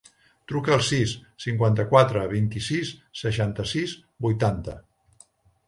Truca al sis, cinquanta-quatre, vint-i-sis, seixanta-sis, vuitanta.